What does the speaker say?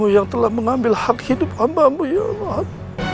yang telah mengambil hak hidup hambamu ya allah